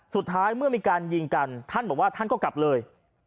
สุดท้ายเมื่อมีการยิงกันท่านบอกว่าท่านก็กลับเลย